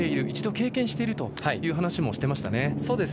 一度経験しているという話もしていましたね。